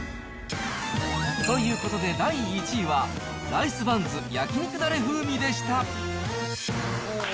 ということで第１位は、ライスバンズ焼肉だれ風味でした。